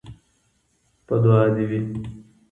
په دعا دي وي